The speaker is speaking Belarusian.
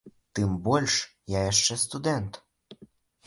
Тым больш, я яшчэ студэнт.